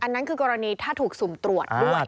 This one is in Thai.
นั่นคือกรณีถ้าถูกสุ่มตรวจด้วย